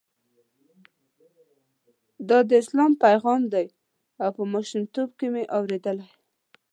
دا د اسلام پیغام دی او په ماشومتوب کې مې اورېدلی.